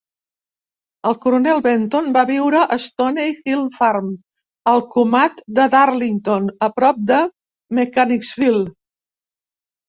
El coronel Benton va viure a Stoney Hill Farm, al comat de Darlington a prop de Mechanicsville.